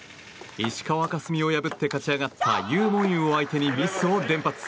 石川佳純を破って勝ち上がったユー・モンユーを相手にミスを連発。